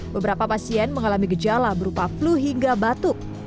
beberapa pasien mengalami gejala berupa flu hingga batuk